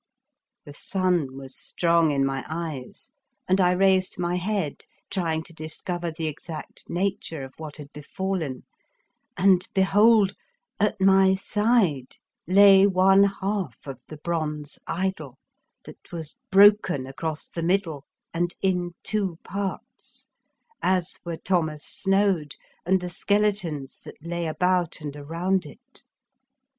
The sun was strong in my eyes and I raised my head trying to discover the 1 20 The Fearsome Island exact nature of what had befallen, and behold, at my side lay one half of the bronze idol, that was broken across the middle and in two parts, as were Thomas Snoad and the skeletons that lay about and around it.